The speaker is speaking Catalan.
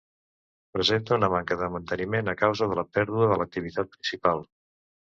Presenta una manca de manteniment a causa de la pèrdua de l'activitat principal.